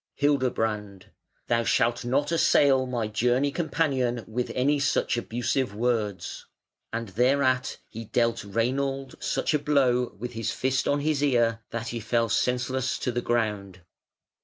Hildebrand: "Thou shalt not assail my journey companion with any such abusive words". And thereat he dealt Reinald such a blow with his fist on his ear that he fell senseless to the ground.